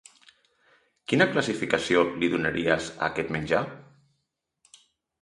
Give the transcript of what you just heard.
Quina classificació li donaries a aquest menjar?